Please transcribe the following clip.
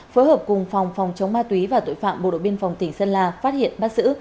phối hợp cùng phòng phòng chống ma túy và tội phạm bộ đội biên phòng tỉnh sơn la phát hiện bắt giữ